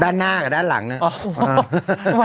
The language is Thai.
ด้านหน้ากับด้านหลังเนี่ย